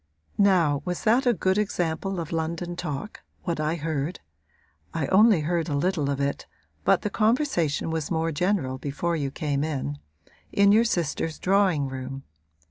'Now was that a good example of London talk what I heard (I only heard a little of it, but the conversation was more general before you came in) in your sister's drawing room?